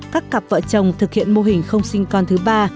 các cặp vợ chồng thực hiện mô hình không sinh con thứ ba